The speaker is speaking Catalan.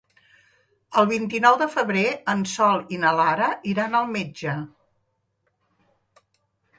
El vint-i-nou de febrer en Sol i na Lara iran al metge.